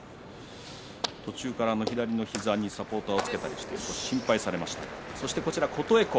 途中から左の膝にサポーターをつけたりして心配されました。